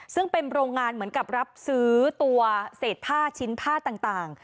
ซึ่งเป็นโรงงานเหมือนกับรับซื้อตัวเศษผ้าชิ้นผ้าต่าง